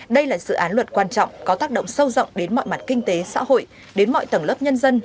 đây là dự án luật quan trọng có tác động sâu rộng đến mọi mặt kinh tế xã hội đến mọi tầng lớp nhân dân